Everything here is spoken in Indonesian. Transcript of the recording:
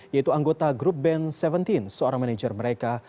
yaitu anggota grup band seventeen seorang manajer mereka